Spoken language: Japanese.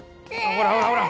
ほらほらほら。